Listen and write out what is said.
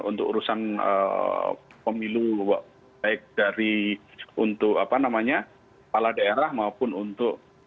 untuk urusan pemilu baik dari untuk apa namanya kepala daerah maupun untuk